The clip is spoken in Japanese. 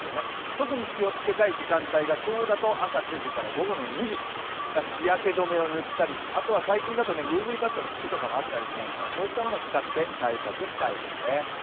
特に気をつけたい時間帯が今日だと朝の９時から午後２時、日焼け止めを塗ったり、最近だとＵＶカットの服とかもありますのでそういったものを使って対策をしたいですね。